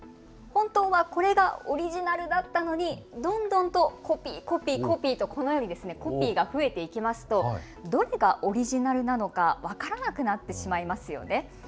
本当は、これがオリジナルだったのにどんどんとコピー、コピー、コピーとコピーが増えていきますとどれがオリジナルなのか分からなくなってしまいますよね。